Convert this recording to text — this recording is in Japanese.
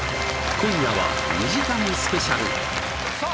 今夜は２時間スペシャルさあ